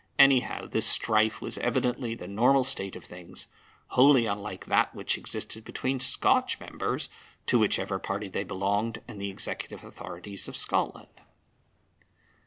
Anyhow, this strife was evidently the normal state of things, wholly unlike that which existed between Scotch members, to whichever party they belonged, and the executive authorities of Scotland.